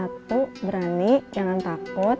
satu berani jangan takut